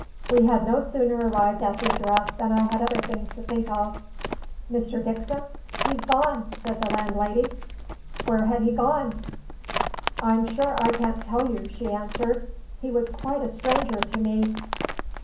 We had no sooner arrived at the address than I had other things to think of. "Mr. Dickson? He's gone," said the landlady. Where had he gone? "I'm sure I can't tell you," she answered. "He was quite a stranger to me."